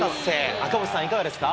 赤星さん、いかがですか。